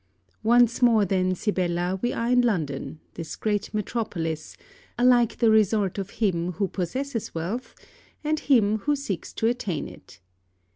Once more then, Sibella, we are in London, this great metropolis, alike the resort of him who possesses wealth and him who seeks to attain it.